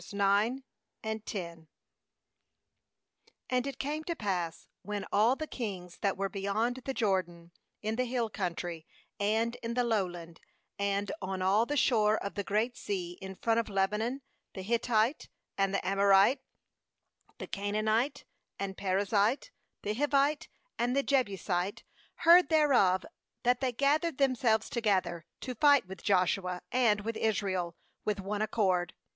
G Ajnd it came to pass, when all the ^ kings that were beyond the Jordan, in the hill country, and in the Low , Land, and on all the shore of the Great Sea in front of Lebanon, the Hittite, and the Amorite, the Canaanite, the 270 JOSHUA 9.23 Perizzite, the Hivite, and the Jebu site, heard thereof, ^that they gathered themselves together, to fight with Joshua and with Israel, with one ac cord.